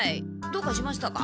どうかしましたか？